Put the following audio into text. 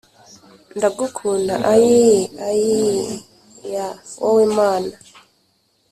ndagukunda ayiii ayiiiiiyaaaaaaa wowe mama